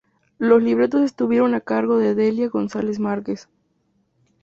Los libretos estuvieron a cargo de Delia González Márquez.